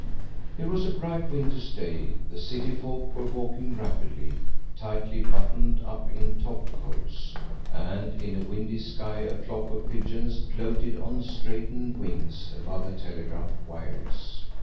It was a bright winter's day; the City folk were walking rapidly, tightly buttoned up in top coats, and in a windy sky a flock of pigeons floated on straightened wings above the telegraph wires.